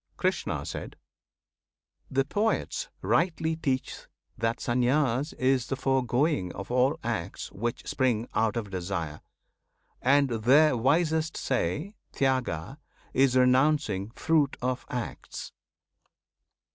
Krishna. The poets rightly teach that Sannyas Is the foregoing of all acts which spring Out of desire; and their wisest say Tyaga is renouncing fruit of acts.